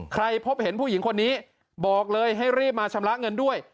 พบเห็นผู้หญิงคนนี้บอกเลยให้รีบมาชำระเงินด้วย